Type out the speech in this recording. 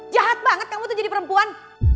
jahat banget kamu tuh jadi perempuan